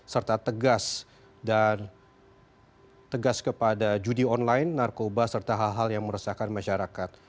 serta tegas dan tegas kepada judi online narkoba serta hal hal yang meresahkan masyarakat